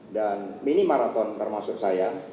dan mini maraton termasuk saya